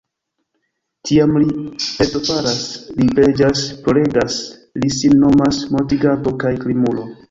Tiam li pentofaras, li preĝas, ploregas, li sin nomas mortiganto kaj krimulo.